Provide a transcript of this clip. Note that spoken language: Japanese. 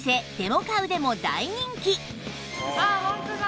あホントだ。